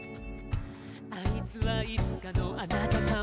「あいつはいつかのあなたかも」